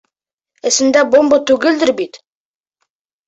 Эсендә бомба түгелдер бит.